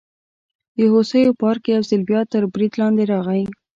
د هوسیو پارک یو ځل بیا تر برید لاندې راغی.